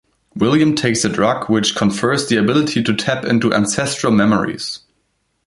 William takes a drug which confers the ability to tap into ancestral memories.